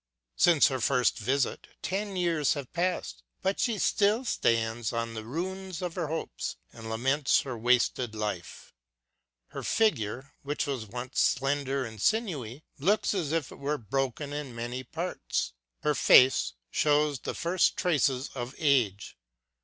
... Since her first visit ten years have passed, but she still stands on the ruins of her hopes and laments her wasted life. Her figure, which was once slender and sinewy, looks as if it were broken in many parts ; her face 191 192 LOOKING BACKWARD shows the first traces of age.